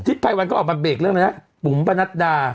ทฤษภัยวันก็ออกมาเบรกเรื่องแบบนี้ปุ๋มปะนัดดา